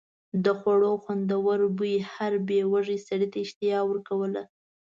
د خوړو خوندور بوی هر بې وږي سړي ته اشتها ورکوله.